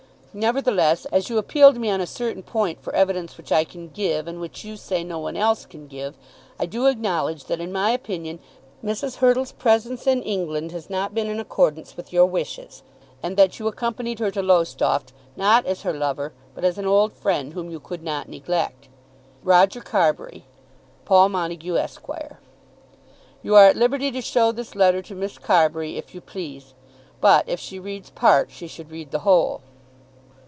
Nevertheless, as you appeal to me on a certain point for evidence which I can give, and which you say no one else can give, I do acknowledge that, in my opinion, Mrs. Hurtle's presence in England has not been in accordance with your wishes, and that you accompanied her to Lowestoft, not as her lover but as an old friend whom you could not neglect. ROGER CARBURY. Paul Montague, Esq. You are at liberty to show this letter to Miss Carbury, if you please; but if she reads part she should read the whole!